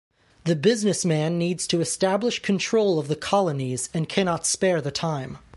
The businessman needs to establish control of the colonies and cannot spare the time.